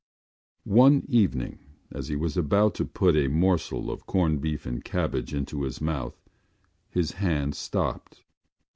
One evening as he was about to put a morsel of corned beef and cabbage into his mouth his hand stopped.